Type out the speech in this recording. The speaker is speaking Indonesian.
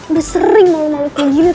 udah sering malu malu kayak gini tau gak